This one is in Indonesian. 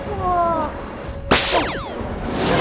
hahah enak ya